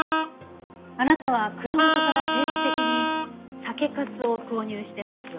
あなたは蔵元から定期的に酒粕を購入してますよね。